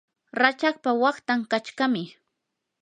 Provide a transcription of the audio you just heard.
rachakpa waqtan qachqami.